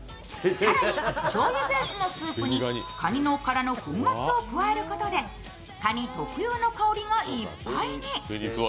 更に、しょうゆベースのスープにかにの殻の粉末を加えることでかに特有の香りがいっぱいに。